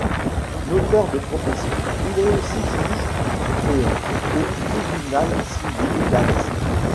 Notaire de profession, il est aussi juge suppléant au tribunal civil d'Alès.